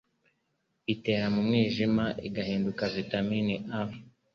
igera mu mwijima igahinduka vitamine A,